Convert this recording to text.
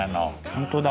本当だ。